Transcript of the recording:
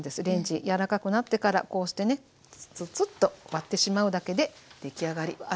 レンジ柔らかくなってからこうしてねツツッと割ってしまうだけで出来上がり。